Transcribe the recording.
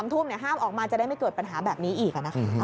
๓ทุ่มห้ามออกมาจะได้ไม่เกิดปัญหาแบบนี้อีก